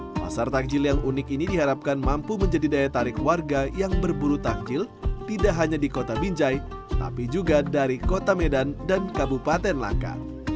pasar takjil yang unik ini diharapkan mampu menjadi daya tarik warga yang berburu takjil tidak hanya di kota binjai tapi juga dari kota medan dan kabupaten langkat